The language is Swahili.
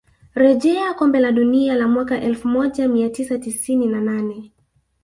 rejea kombe la dunia la mwaka elfu moja mia tisa tisini na nane